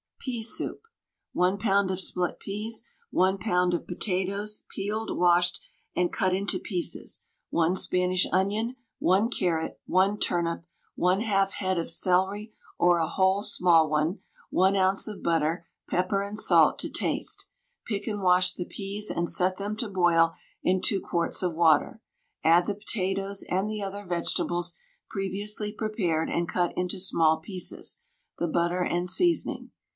PEA SOUP. 1 lb. of split peas, 1 lb. of potatoes, peeled, washed, and cut into pieces, 1 Spanish onion, 1 carrot, 1 turnip, 1/2 head of celery or a whole small one, 1 oz. of butter, pepper and salt to taste, Pick and wash the peas, and set them to boil in 2 quarts of water. Add the potatoes and the other vegetables, previously prepared and cut into small pieces, the butter and seasoning.